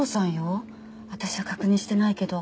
私は確認してないけど。